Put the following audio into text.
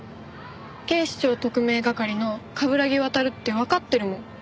警視庁特命係の冠城亘ってわかってるもん。